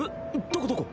どこ？